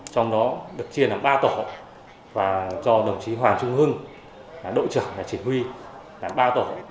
trong đó được chia làm ba tổ và do đồng chí hoàng trung hưng đội trưởng chỉ huy làm ba tổ